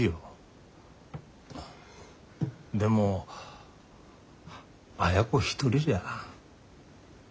でも亜哉子一人じゃ。